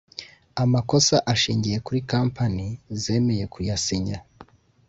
amakosa ashingiye kuri kompanyi zemeye kuyasinya